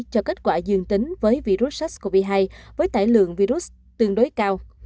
cho kết quả dương tính với virus sars cov hai với tải lượng virus tương đối cao